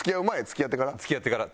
付き合ってから？付き合ってから。